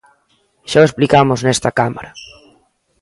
Xa o explicamos nesta Cámara.